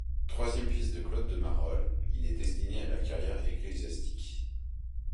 Troisième fils de Claude de Marolles, il est destiné à la carrière ecclésiastique.